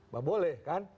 bah boleh kan